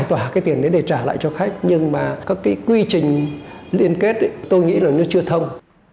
tôi nghĩ là nó chưa thông